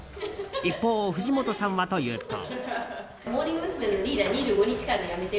一方、藤本さんはというと。